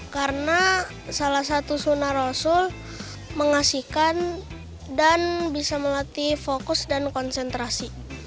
karena salah satu sunar rosul mengasihkan dan bisa melatih fokus dan konsentrasi